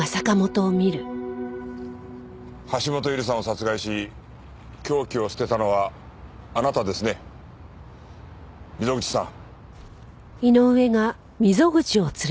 橋本優里さんを殺害し凶器を捨てたのはあなたですね溝口さん。